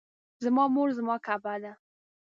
زما مور زما کعبه ده